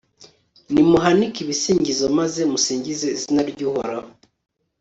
nimuhanike ibisingizo, maze musingize izina ry'uhoraho